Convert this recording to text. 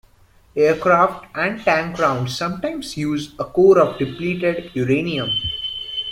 Aircraft and tank rounds sometimes use a core of depleted uranium.